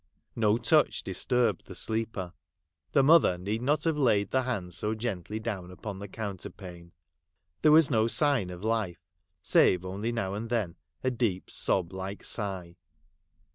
No touch disturbed the sleeper ; the mother need not have laid the hand so gently down upon the counter pane. There was no sign of life, save only now and then a deep sob like sigh.